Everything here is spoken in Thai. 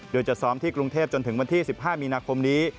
โดยจะซ้อมที่กรุงเทพจนถึงวันที่๑๕มีนาคมนี้